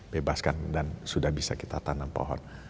bebaskan dan sudah bisa kita tanam pohon